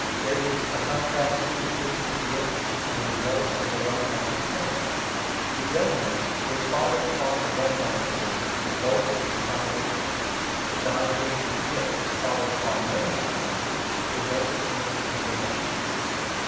There is a contrast, too, between the gift and the 16 results of the one man's sin. The judgement, which followed upon the one man's sin, resulted in condemnation, but God's gracious Gift, which followed upon many offences, resulted in a decree of righteousness.